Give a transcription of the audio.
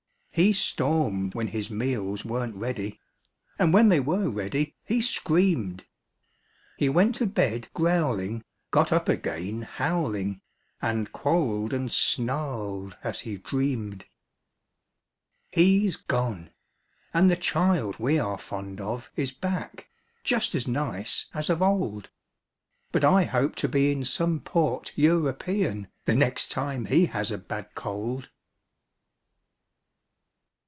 He stormed when his meals weren't ready, And when they were ready, he screamed. He went to bed growling, got up again howling And quarreled and snarled as he dreamed. He's gone, and the child we are fond of Is back, just as nice as of old. But I hope to be in some port European The next time he has a bad cold.